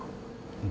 うん。